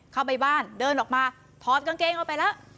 เข้าไปบ้านเดินออกมาถอดกางเกงออกไปแล้ว